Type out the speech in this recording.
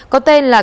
có tên là